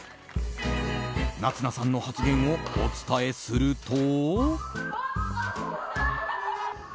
夏菜さんの発言をお伝えすると。